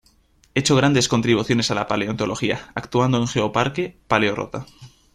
Hecho grandes contribuciones a la paleontología actuando en geoparque Paleorrota.